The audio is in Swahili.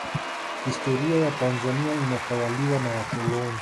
historia ya tanzania inatawaliwa na wakoloni